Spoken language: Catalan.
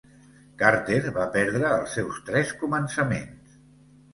Carter va perdre els seus tres començaments.